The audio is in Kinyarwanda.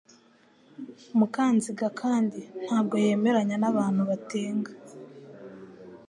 Mukanziga kandi ntabwo yemeranya n'abantu Batenga